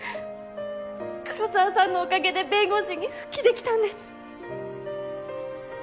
黒澤さんのおかげで弁護士に復帰できたんです。